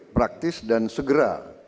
praktis dan segera